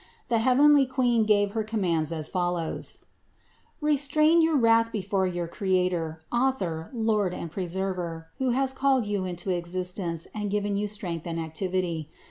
The heavenly Queen gave her commands as follows : "Re strain your wrath before your Creator, Author, Lord and Preserver, who has called you into existence and given you strength and activity.